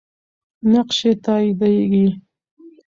نقش یې تاییدیږي.